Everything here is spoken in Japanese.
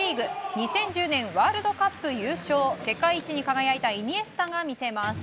２０１０年ワールドカップ優勝世界一に輝いたイニエスタが魅せます。